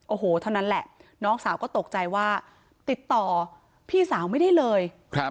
โอ้โหเท่านั้นแหละน้องสาวก็ตกใจว่าติดต่อพี่สาวไม่ได้เลย